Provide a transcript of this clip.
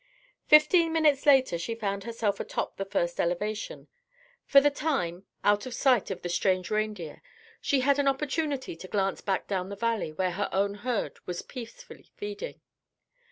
Fifteen minutes later she found herself atop the first elevation. For the time, out of sight of the strange reindeer, she had an opportunity to glance back down the valley where her own herd was peacefully feeding.